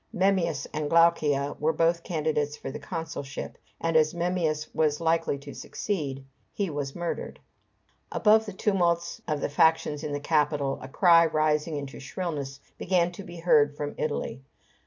Memmius and Glaucia were both candidates for the consulship; and as Memmius was likely to succeed, he was murdered. Above the tumults of the factions in the Capitol a cry rising into shrillness began to be heard from Italy.